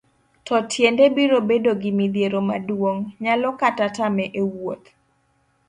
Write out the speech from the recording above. to tiende biro bedo gi midhiero maduong',nyalo kata tame e wuoth